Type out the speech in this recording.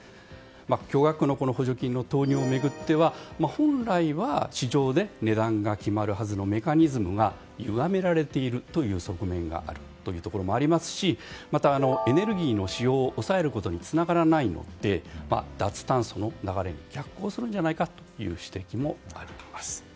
巨額の補助金の投入を巡っては本来は市場で値段が決まるはずのメカニズムがゆがめられているという側面もありますしまた、エネルギーの使用を抑えることにつながらないので脱炭素の流れに逆行するんじゃないかという指摘もあります。